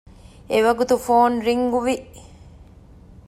އެވަގުތު ފޯން ރިންގްވި